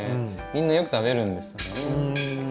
みんなよく食べるんですよ。